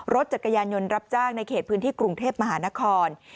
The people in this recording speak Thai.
รถจักรยานยนต์รับจ้างในเขตพื้นที่กรุงเทพมหานคร